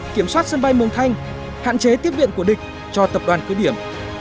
kiểm soát sân bay mường thanh hạn chế tiếp viện của địch cho tập đoàn cứ điểm